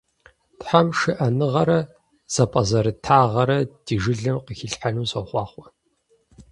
Тхьэм шыӀэныгъэрэ зэпӀэзэрытагъэрэ ди жылэм къыхилъхьэну сохъуахъуэ.